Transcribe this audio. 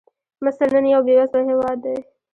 مصر نن یو بېوزله هېواد دی.